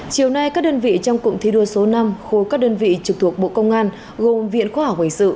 chiều nay các đơn vị trong cục thí đua số năm khối các đơn vị trực thuộc bộ công an gồm viện khóa hòa hình sự